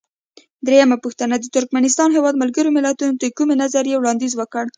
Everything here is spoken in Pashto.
درېمه پوښتنه: د ترکمنستان هیواد ملګرو ملتونو ته د کومې نظریې وړاندیز وکړ؟